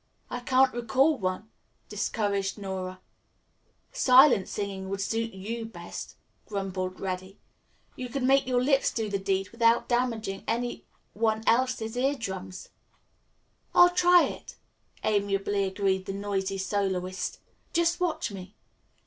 "I can't recall one," discouraged Nora. "Silent singing would suit you best," grumbled Reddy. "You could make your lips do the deed without damaging any one else's ear drums." "I'll try it," amiably agreed the noisy soloist. "Just watch me."